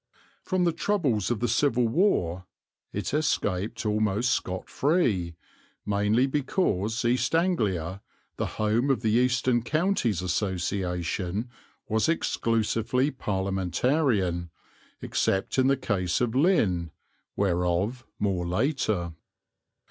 From the troubles of the Civil War it escaped almost scot free, mainly because East Anglia, the home of the Eastern Counties Association, was exclusively Parliamentarian, except in the case of Lynn, whereof more later.